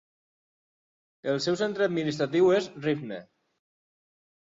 El seu centre administratiu és Rivne.